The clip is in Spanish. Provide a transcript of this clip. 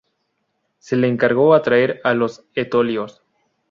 Se le encargó atraer a los etolios.